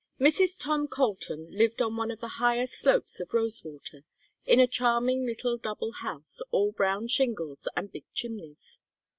VI Mrs. Tom Colton lived on one of the higher slopes of Rosewater in a charming little double house all brown shingles and big chimneys.